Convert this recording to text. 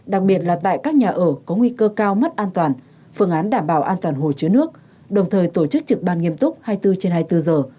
đặc biệt là tại các nhà ở có nguy cơ cao mất an toàn phương án đảm bảo an toàn hồ chứa nước đồng thời tổ chức trực ban nghiêm túc hai mươi bốn trên hai mươi bốn giờ